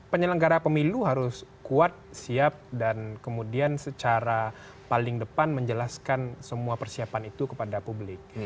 penyelenggara pemilu harus kuat siap dan kemudian secara paling depan menjelaskan semua persiapan itu kepada publik